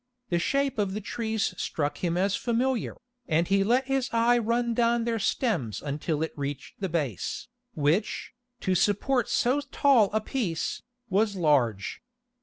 The shape of the trees struck him as familiar, and he let his eye run down their stems until it reached the base, which, to support so tall a piece, was large.